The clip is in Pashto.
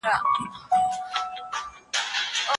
اسلامي شريعت د بندګانو په حقوقو کي عفو او سوله مشروع کړي دي